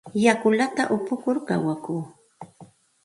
Yakullata upukur kawakuu.